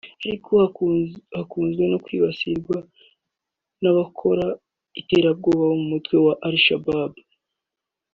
ariko hanakunze kwibasirwa n’abakora iterabwoba bo mutwe wa Al-shabaab